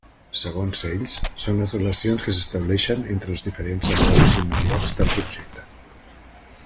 Segons ells, són les relacions que s'estableixen entre els diferents entorns immediats del subjecte.